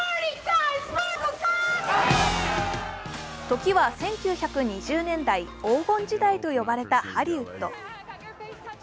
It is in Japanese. ときは１９２０年代、黄金時代と呼ばれたハリウッド。